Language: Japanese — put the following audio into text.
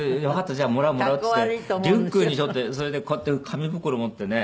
じゃあもらうもらう」って言ってリュックに背負ってそれでこうやって紙袋持ってね。